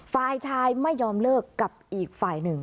ฝ่ายชายไม่ยอมเลิกกับอีกฝ่ายหนึ่ง